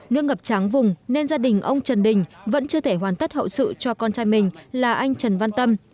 nước ngập tráng vùng nên gia đình ông trần đình vẫn chưa thể hoàn tất hậu sự cho con trai mình là anh trần văn tâm